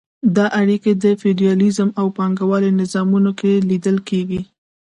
دا اړیکې په فیوډالیزم او پانګوالۍ نظامونو کې لیدل کیږي.